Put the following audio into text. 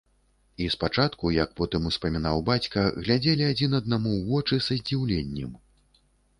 І спачатку, як потым успамінаў бацька, глядзелі адзін аднаму ў вочы са здзіўленнем.